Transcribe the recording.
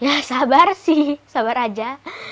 ya sabar sih sabar aja